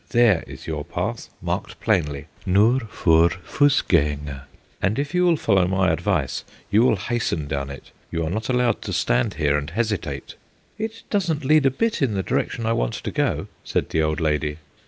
There is your path, marked plainly Nur fur Fussganger, and if you will follow my advice, you will hasten down it; you are not allowed to stand here and hesitate." "It doesn't lead a bit in the direction I want to go," said the old lady.